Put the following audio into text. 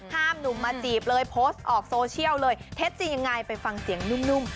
หนุ่มมาจีบเลยโพสต์ออกโซเชียลเลยเท็จจริงยังไงไปฟังเสียงนุ่ม